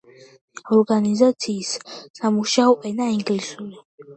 ორგანიზაციის სამუშაო ენაა ინგლისური.